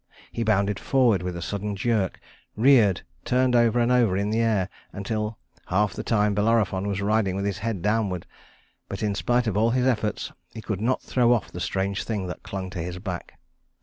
He bounded forward with a sudden jerk, reared, turned over and over in the air, until half the time Bellerophon was riding with his head downward; but in spite of all his efforts, he could not throw off the strange thing that clung to his back.